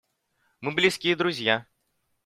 Мы близкие друзья.